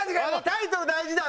タイトル大事だよ